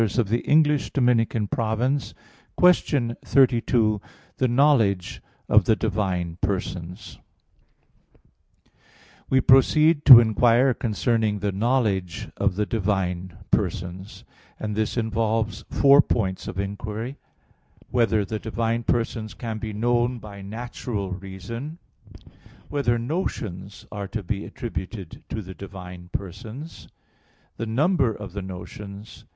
_______________________ QUESTION 32 THE KNOWLEDGE OF THE DIVINE PERSONS (In Four Articles) We proceed to inquire concerning the knowledge of the divine persons; and this involves four points of inquiry: (1) Whether the divine persons can be known by natural reason? (2) Whether notions are to be attributed to the divine persons? (3) The number of the notions?